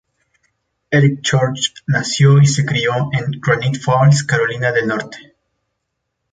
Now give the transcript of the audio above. Eric Church nació y se crio en Granite Falls, Carolina del Norte.